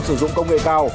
sử dụng công nghệ cao